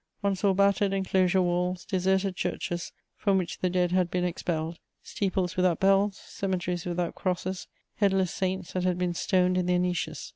One saw battered enclosure walls, deserted churches, from which the dead had been expelled, steeples without bells, cemeteries without crosses, headless saints that had been stoned in their niches.